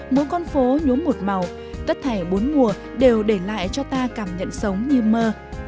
mỗi con phố nhốm một màu tất thể bốn mùa đều để lại cho ta cảm nhận sống như mơ